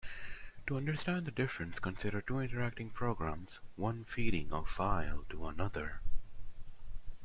To understand the difference, consider two interacting programs, one feeding a file to another.